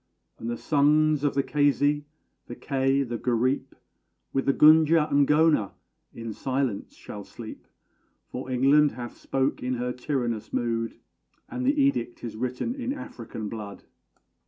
And the sons of the Keisi, the Kei, the Gareep, With the Gunja and Ghona in silence shall sleep: For England hath spoke in her tyrannous mood, And the edict is written in African blood!